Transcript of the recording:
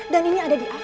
dan ini ada di afif